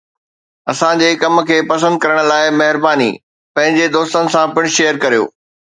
اسان جي ڪم کي پسند ڪرڻ لاء مهرباني! پنهنجي دوستن سان پڻ شيئر ڪريو.